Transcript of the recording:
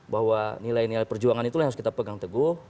bahwa nilai nilai perjuangan itulah yang harus kita pegang teguh